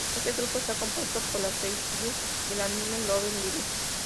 Este grupo está compuesto por las seiyuu del anime Love Live!.